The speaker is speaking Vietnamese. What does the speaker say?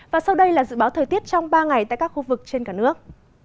và sau đây là dự báo thời tiết trong ba ngày tại các khu vực trên cả nước